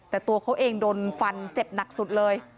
แต่ตัวเขาเองโดนฟันเจ็บหนักสุดเลย